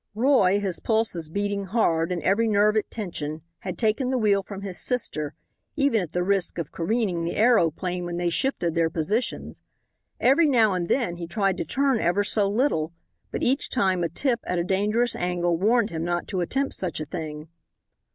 Roy, his pulses beating hard, and every nerve at tension, had taken the wheel from his sister, even at the risk of careening the aeroplane when they shifted their positions. Every now and then he tried to turn ever so little, but each time a tip at a dangerous angle warned him not to attempt such a thing.